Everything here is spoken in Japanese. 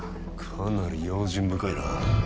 かなり用心深いな